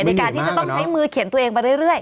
ในการที่จะต้องใช้มือเขียนตัวเองไปเรื่อย